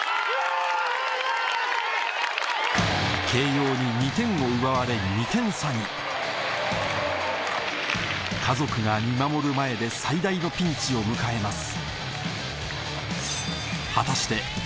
京葉に２点を奪われ２点差に家族が見守る前で最大のピンチを迎えます